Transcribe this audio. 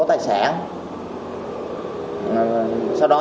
cơ quan công an phường ngô mây